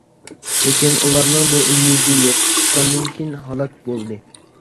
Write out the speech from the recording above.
لېكىن ئۇلارنىڭ بۇ ئۈمىدى يوققا چىققاندىن كېيىن ھالاك بولدى.